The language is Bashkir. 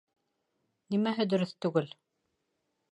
Нимәһе дөрөҫ түгел?